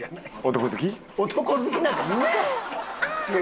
「男好き」なんか言うか！